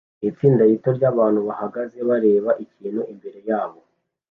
Itsinda rito ryabantu bahagaze bareba ikintu imbere yabo